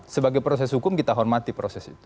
sebagai proses hukum kita hormati proses itu